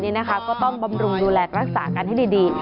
นี่นะคะก็ต้องบำรุงดูแลรักษากันให้ดี